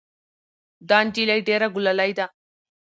دا نجلۍ ډېره ګلالۍ ده.